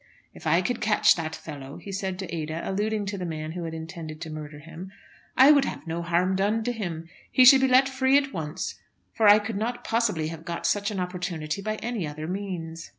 "If I could catch that fellow," he said to Ada, alluding to the man who had intended to murder him, "I would have no harm done to him. He should be let free at once; for I could not possibly have got such an opportunity by any other means."